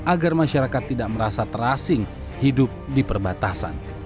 agar masyarakat tidak merasa terasing hidup di perbatasan